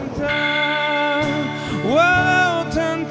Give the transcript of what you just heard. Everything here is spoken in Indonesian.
aku tidak bisa berkata kata seperti itu